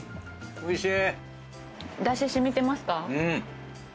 おいしい。